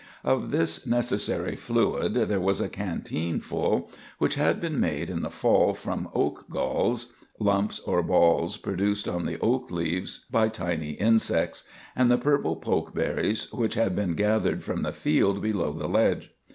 Of this necessary fluid there was a canteen full, which had been made in the fall from oak galls (lumps or balls produced on the oak leaves by tiny insects) and the purple pokeberries which had been gathered from the field below the ledge.